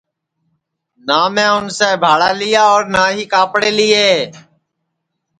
نہ میں اُنسے بھاڑا لیا اور نہ ہی کاپڑے لیئے